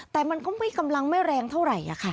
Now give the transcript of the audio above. แต่มันก็ไม่กำลังไม่แรงเท่าไหร่ค่ะ